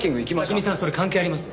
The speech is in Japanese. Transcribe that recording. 拓海さんそれ関係あります？